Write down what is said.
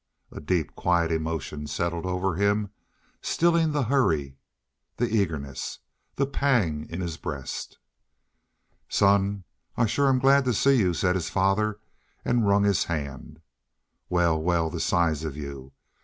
A deep, quiet emotion settled over him, stilling the hurry, the eagerness, the pang in his breast. "Son, I shore am glad to see you," said his father, and wrung his hand. "Wal, wal, the size of you!